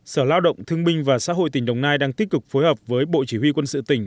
sở lao động thương binh và xã hội tỉnh đồng nai đang tích cực phối hợp với bộ chỉ huy quân sự tỉnh